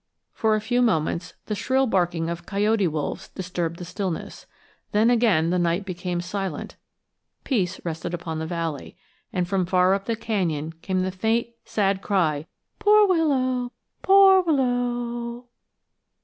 For a few moments the shrill barking of coyote wolves disturbed the stillness; then again the night became silent; peace rested upon the valley, and from far up the canyon came the faint, sad cry, poor wil' low, poor wil' low.